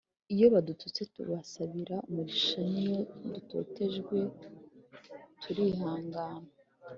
Iyo badututse tubasabira umugisha n iyo dutotejwe turihangana.